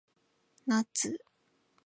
ナッツ